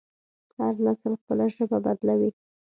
هر نسل خپله ژبه بدلوي.